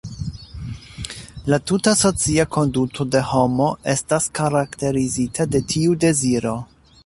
La tuta socia konduto de homo estas karakterizita de tiu deziro.